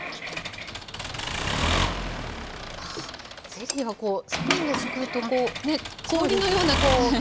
あゼリーはこうスプーンですくうとね氷のような角ができて。